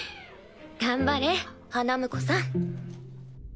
頑張れ花婿さん。